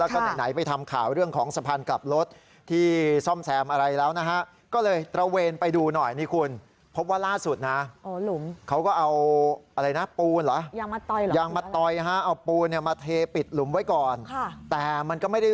ขอบทางก็เป็นแบบนี้